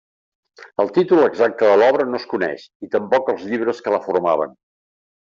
El títol exacte de l'obra no es coneix, i tampoc els llibres que la formaven.